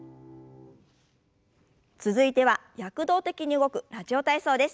続いては躍動的に動く「ラジオ体操」です。